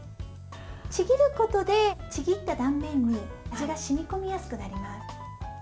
ちぎることで、ちぎった断面に味が染み込みやすくなります。